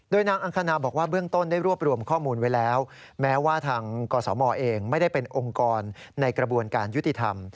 นางอังคณาบอกว่าเบื้องต้นได้รวบรวมข้อมูลไว้แล้วแม้ว่าทางกศมเองไม่ได้เป็นองค์กรในกระบวนการยุติธรรม